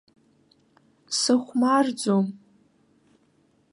Сыхәмарӡом.